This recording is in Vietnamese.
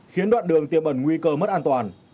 khiến đoạn đường tiêm ẩn nguy cơ mất an toàn